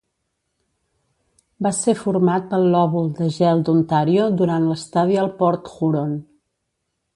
Va ser format pel lòbul de gel d'Ontario durant l'Stadial Port Huron.